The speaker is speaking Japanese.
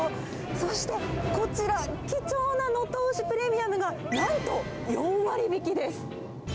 そして、こちら、貴重な能登牛プレミアムが、なんと４割引きです。